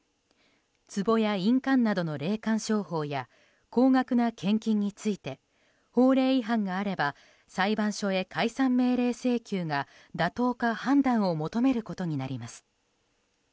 つぼや印鑑などの霊感商法や高額な献金について法令違反があれば、裁判所へ解散請求命令が妥当かどうか求めることになります。